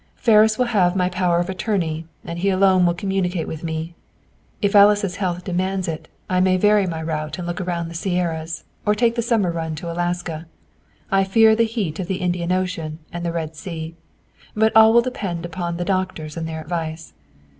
"Ferris will have my power of attorney, and he alone will communicate with me. If Alice's health demands it, I may vary my route and look around in the Sierras, or take the summer run to Alaska. I fear the heat of the Indian Ocean and the Red Sea. But all will depend upon the doctors and their advice.